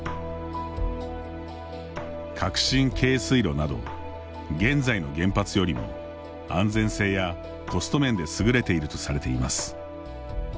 革新軽水炉など現在の原発よりも安全性やコスト面で優れているとされています。